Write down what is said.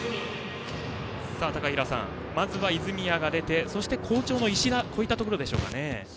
高平さん、まずは泉谷が出てそして好調の石田といったところでしょうか。